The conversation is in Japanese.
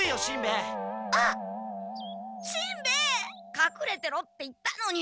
かくれてろって言ったのに！